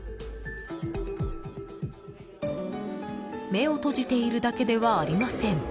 ［目を閉じているだけではありません］